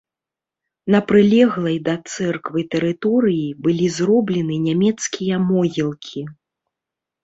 На прылеглай да цэрквы тэрыторыі былі зроблены нямецкія могілкі.